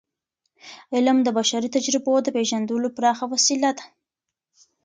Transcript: علم د بشري تجربو د پیژندلو پراخه وسیله ده.